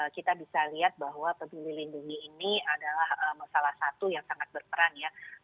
kita bisa lihat bahwa peduli lindungi ini adalah salah satu yang sangat berperan ya